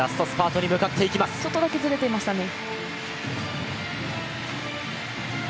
ちょっとだけずれていましたね。